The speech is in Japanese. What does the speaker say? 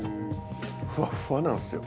ふわっふわなんですよ。